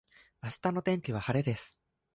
明日の天気は晴れです。